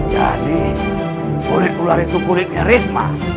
jadi kulit ular itu kulitnya resma